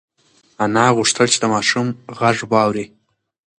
انا غوښتل چې د ماشوم غږ واوري.